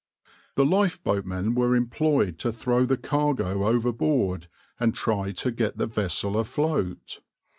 The lifeboatmen were employed to throw the cargo overboard and try to get the vessel afloat.